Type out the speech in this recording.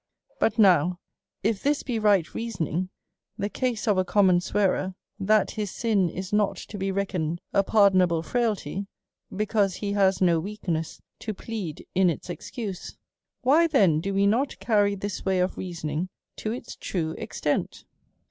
; But now, if this be rig ht reasoning , the case of a *x */. Common swearer, that his sin is not to be reckoned a ,M\*L * 'pardonable frailty, because he has no weakness to , J#t» ^ plead in its excuse ; Avhy then do we not carry this \4^A»M, way of reasoning to its true extent?